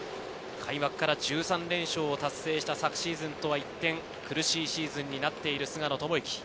開幕から１３連勝を達成した昨シーズンとは一転、苦しいシーズンになっている菅野智之。